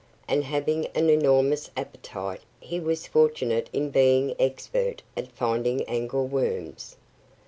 And having an enormous appetite he was fortunate in being expert at finding angleworms.